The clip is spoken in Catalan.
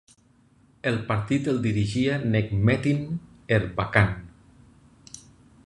El partit el dirigia Necmettin Erbakan.